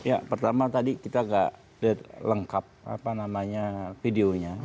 ya pertama tadi kita tidak lengkap videonya